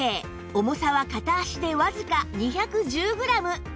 重さは片足でわずか２１０グラム